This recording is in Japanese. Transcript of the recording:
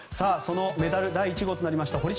そのメダル第１号となりました